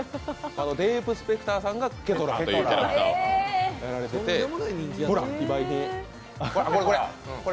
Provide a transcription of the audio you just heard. デーブ・スペクターさんがケトラーというキャラクターをやられてて、ほら、非売品。